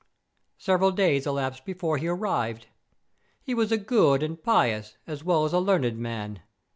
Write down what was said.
Several days elapsed before he arrived. He was a good and pious, as well as a learned man.